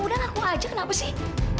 udah ngaku aja kenapa sih